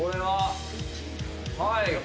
はい。